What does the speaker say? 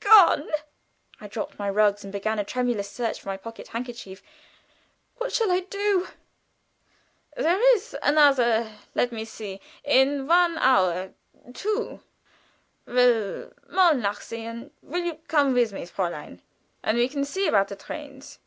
"Gone!" I dropped my rugs and began a tremulous search for my pocket handkerchief. "What shall I do?" "There is another let me see in one hour two will 'mal nachsehen. Will you come with me, Fräulein, and we will see about the trains."